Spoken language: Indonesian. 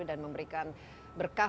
dan memberikan berkah